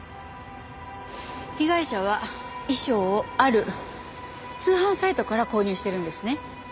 被害者は衣装をある通販サイトから購入してるんですね。